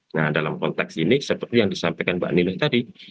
nah dalam konteks ini seperti yang disampaikan mbak nilus tadi